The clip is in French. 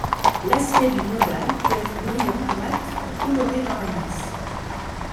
L'aspect du modal peut être brillant, mat ou coloré dans la masse.